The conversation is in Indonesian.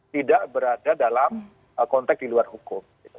tidak berada dalam konteks di luar hukum